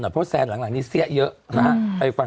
เพราะว่าแซนหลังนี้เสี้ยเยอะนะไปฟังซึ่งนิดนึง